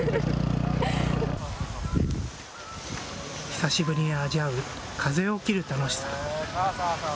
久しぶりに味わう風を切る楽しさ。